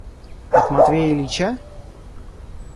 От Матвея Ильича?